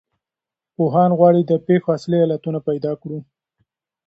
پوهان غواړي د پېښو اصلي علتونه پیدا کړو.